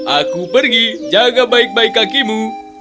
aku pergi jaga baik baik kakimu